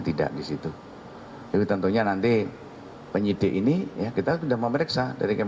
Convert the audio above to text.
jadi tentunya nanti penyidik ini kita sudah memeriksa